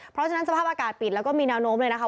เพราะฉะนั้นสภาพอากาศปิดแล้วก็มีนานะคะ